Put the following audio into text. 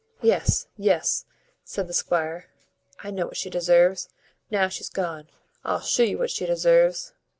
"Yes, yes," said the squire, "I know what she deserves: now she's gone, I'll shew you what she deserves.